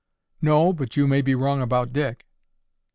"No, but you may be wrong about Dick."